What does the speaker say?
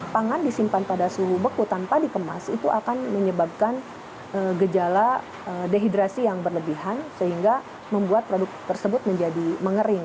pangan disimpan pada suhu beku tanpa dikemas itu akan menyebabkan gejala dehidrasi yang berlebihan sehingga membuat produk tersebut menjadi mengering